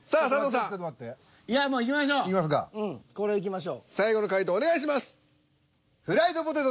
さあいきましょう。